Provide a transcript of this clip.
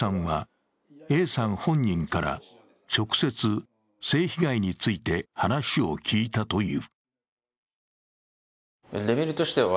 当時、二本樹さんはＡさん本人から、直接性被害について話を聞いたという。